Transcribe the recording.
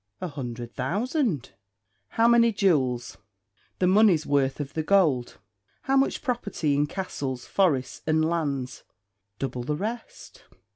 "A hundred thousand." "How many jewels?" "The money's worth of the gold." "How much property in castles, forests, and lands?" "Double the rest."